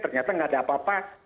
ternyata nggak ada apa apa